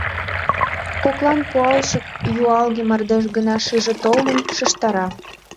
Коклан пуалше юалге мардеж гына шыже толмым шижтара.